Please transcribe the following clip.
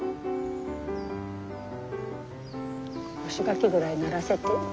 干し柿ぐらいならせて。